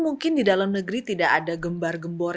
mungkin di dalam negeri tidak ada gembar gembor